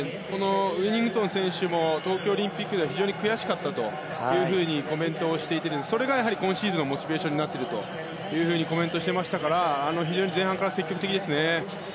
ウィニングトン選手も東京オリンピックは非常に悔しかったというふうにコメントしていてそれが今シーズンのモチベーションになっているとコメントしていましたから前半から積極的ですね。